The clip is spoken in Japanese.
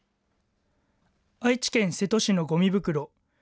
愛知県瀬戸市のごみ袋。